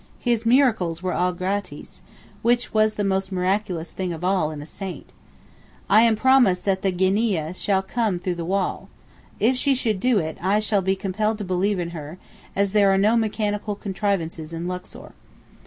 His miracles were all gratis, which was the most miraculous thing of all in a saint. I am promised that the Ginneeyeh shall come through the wall. If she should do so I shall be compelled to believe in her, as there are no mechanical contrivances in Luxor.